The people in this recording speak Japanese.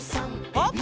パッ！